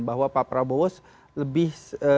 bahwa pak prabowo lebih